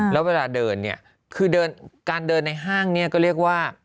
แล้วเวลาเดินเนี่ยคือเดินการเดินในห้างเนี่ยก็เรียกว่า